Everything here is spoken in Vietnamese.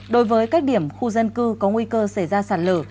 đối với các điểm khu dân cư có nguy cơ xảy ra sản lửa